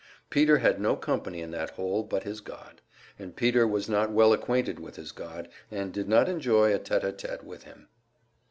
Peter had no company in that "hole" but his God; and Peter was not well acquainted with his God, and did not enjoy a tete a tete with Him.